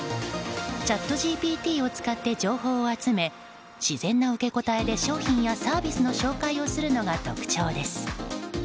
チャットＧＰＴを使って情報を集め自然な受け答えで商品やサービスの紹介をするのが特徴です。